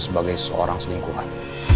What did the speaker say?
sebagai seorang selingkuhan